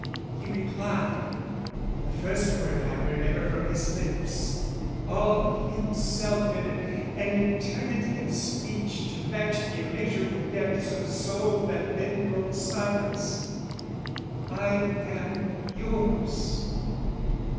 He replied The first word I heard ever from his lips, All himself in it, an eternity Of speech, to match the immeasurable depths O' the soul that then broke silence "I am yours."